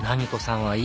はい。